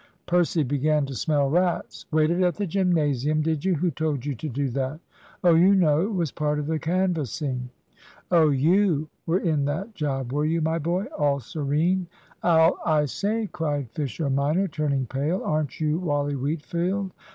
Percy began to smell rats. "Waited at the gymnasium, did you? Who told you to do that?" "Oh, you know it was part of the canvassing." "Oh, you were in that job, were you, my boy? All serene, I'll " "I say," cried Fisher minor, turning pale, "aren't you Wally Wheatfield?